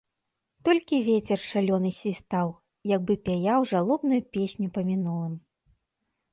Толькі вецер шалёны свістаў, як бы пяяў жалобную песню па мінулым.